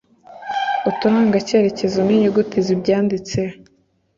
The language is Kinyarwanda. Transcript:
Uturangacyerekezo n'inyuguti z'ibyanditse